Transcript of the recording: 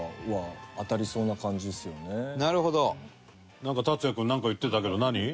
なんか達哉君なんか言ってたけど何？